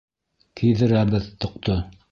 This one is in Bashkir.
Кейҙерәбеҙ тоҡто.